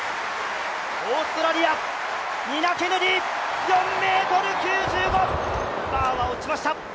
オーストラリア、ニナ・ケネディ、４ｍ９５、バーは落ちました。